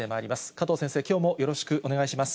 加藤先生、きょうもよろしくお願いします。